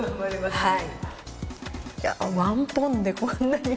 はい。